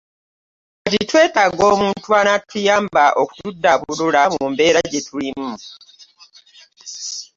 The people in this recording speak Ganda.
Kati twetaaga omuntu anaatuyamba okutuddaabulula mu mbeera gyetulimu